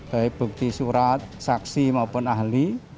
baik bukti surat saksi maupun ahli